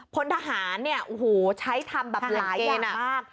พลฐหารใช้ทำรายอยากมาก